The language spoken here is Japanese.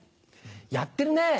やってるね。